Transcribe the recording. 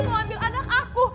dia pasti mau ambil anak aku